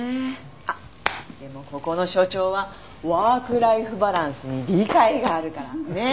あっでもここの所長はワークライフバランスに理解があるから。ね！